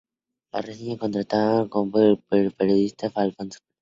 La reseña en contratapa es del politólogo y periodista Alfonso Lessa.